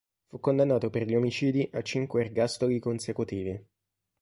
Fu condannato per gli omicidi a cinque ergastoli consecutivi.